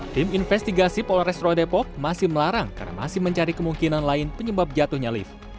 tim investigasi polorestro depok masih melarang karena masih mencari kemungkinan lain penyebab jatuhnya lift